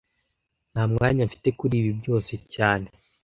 Nta mwanya mfite kuri ibi byose cyane